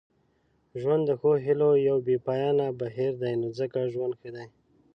ژوند د ښو هیلو یو بې پایانه بهیر دی نو ځکه ژوند ښه دی.